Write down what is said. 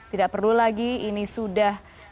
tidak perlu lagi ini sudah